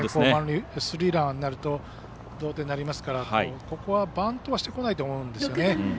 スリーランになると同点になりますからここはバントはしてこないと思いますね。